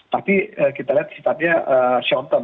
tapi kita lihat sifatnya short term